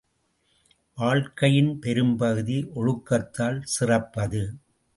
வாழ்க்கையின் பெரும்பகுதி ஒழுக்கத்தால் சிறப்பது.